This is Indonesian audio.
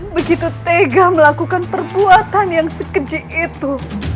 begitu tega melakukan perbuatan yang sekecil itu